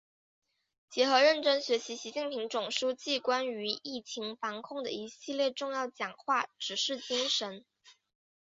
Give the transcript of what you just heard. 结合认真学习习近平总书记关于疫情防控的一系列重要讲话、指示精神